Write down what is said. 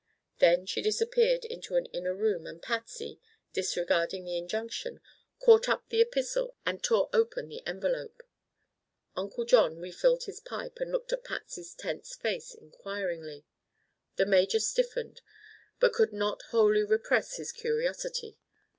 Then she disappeared into an inner room and Patsy, disregarding the injunction, caught up the epistle and tore open the envelope. Uncle John refilled his pipe and looked at Patsy's tense face inquiringly. The major stiffened, but could not wholly repress his curiosity.